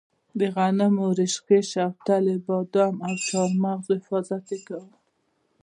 د غنمو، رشقې، شپتلې، بادامو او چارمغزو حفاظت یې کاوه.